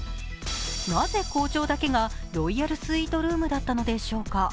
なぜ校長だけがロイヤルスイートルームだったのでしょうか。